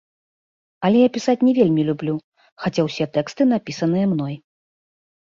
Але я пісаць не вельмі люблю, хаця ўсе тэксты напісаныя мной.